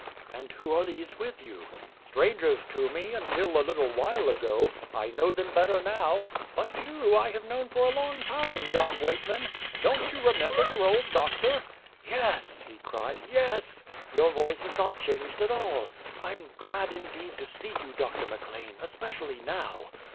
"And who are these with you?" "Strangers to me, until a little while ago; I know them better now. But you I have known for a long time, John Weightman. Don't you remember your old doctor?" "Yes," he cried "yes; your voice has not changed at all. I'm glad indeed to see you, Doctor McLean, especially now.